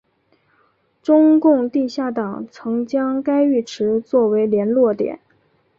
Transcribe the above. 中共地下党曾将该浴池作为联络点。